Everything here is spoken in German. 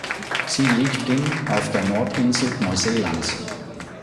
Sie liegt im auf der Nordinsel Neuseelands.